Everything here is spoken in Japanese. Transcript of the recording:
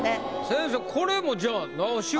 先生これもじゃあ直しは？